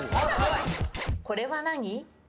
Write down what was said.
これは何？